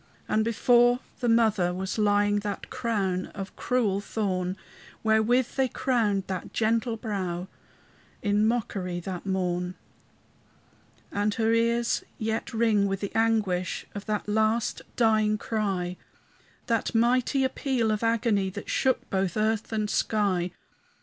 And before the mother was lying That crown of cruel thorn, Wherewith they crowned that gentle brow In mockery that morn. And her ears yet ring with the anguish Of that last dying cry, That mighty appeal of agony That shook both earth and sky.